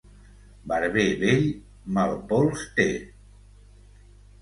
Barber vell, mal pols té.